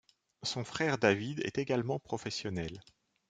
Son frère David est également professionnel.